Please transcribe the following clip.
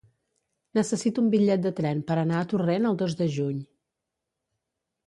Necessito un bitllet de tren per anar a Torrent el dos de juny.